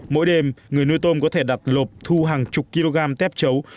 mỗi đêm người nuôi tôm có thể đặt lộp thu hàng chục kg tép chấu